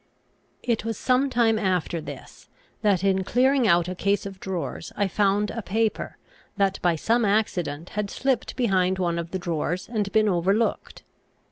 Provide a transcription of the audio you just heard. It was some time after this that, in clearing out a case of drawers, I found a paper that, by some accident, had slipped behind one of the drawers, and been overlooked.